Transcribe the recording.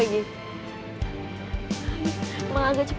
emangnya diangkat angkat juga